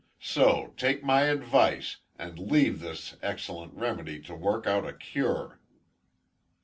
So, take my advice, and leave this excellent remedy to work out a cure."